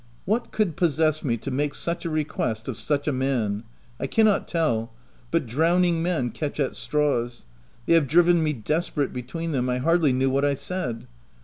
What could possess me to make such a request of such a man ? I cannot tell, but drowning men catch at straws : they had driven me desperate between them; I hardly knew what I said.